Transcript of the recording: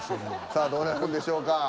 さあどうなるんでしょうか。